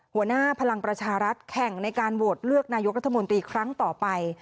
หัวหน้าพลังประชารัฐแข่งในการโหวตเลือกนายกรัฐมนตรีครั้งต่อไป